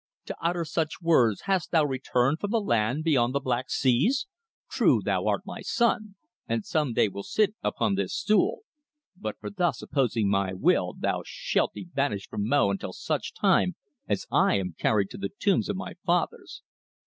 "To utter such words hast thou returned from the land beyond the black seas? True, thou art my son, and some day will sit upon this my stool, but for thus opposing my will thou shalt be banished from Mo until such time as I am carried to the tombs of my fathers.